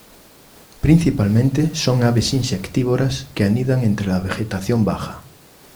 Principalmente son aves insectívoras que anidan entre la vegetación baja.